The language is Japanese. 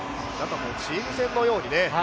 チーム戦のようにね。